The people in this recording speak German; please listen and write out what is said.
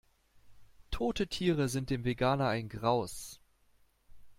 Tote Tiere sind dem Veganer ein Graus.